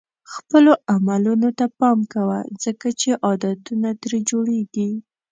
خپلو عملونو ته پام کوه ځکه چې عادتونه ترې جوړېږي.